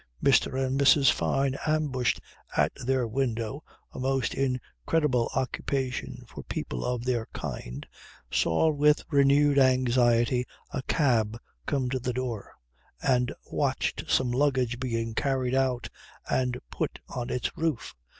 Mr. and Mrs. Fyne ambushed at their window a most incredible occupation for people of their kind saw with renewed anxiety a cab come to the door, and watched some luggage being carried out and put on its roof.